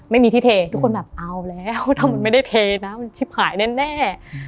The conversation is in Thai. ไม่มีที่เททุกคนแบบเอาแล้วทำไมไม่ได้เทนะมันชิบหายแน่